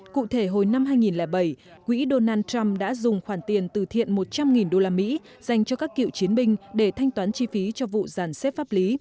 cụ thể hồi năm hai nghìn bảy quỹ donald trump đã dùng khoản tiền từ thiện một trăm linh đô la mỹ dành cho các cựu chiến binh để thanh toán chi phí cho vụ gian xếp pháp lý